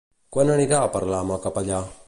Quan anirà a parlar amb el capellà?